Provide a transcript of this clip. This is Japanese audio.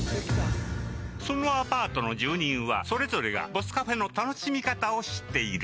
そのアパートの住人はそれぞれがボスカフェの楽しみ方を知っている。